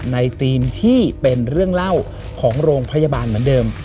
ธีมที่เป็นเรื่องเล่าของโรงพยาบาลเหมือนเดิม